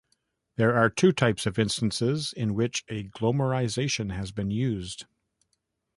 There are two types of instances in which a Glomarization has been used.